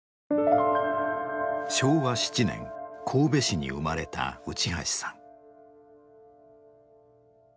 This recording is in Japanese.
昭和７年神戸市に生まれた内橋さん。